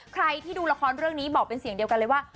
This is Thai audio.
ใครที่ดูละครเรื่องนี้บอกเป็นเสียงเดียวกันเลยว่า